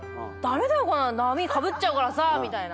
波かぶっちゃうからさみたいな。